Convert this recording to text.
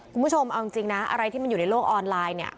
คุณผู้ชมเอาจริงนะอะไรที่มันอยู่ในโลกออนไลน์เนี่ย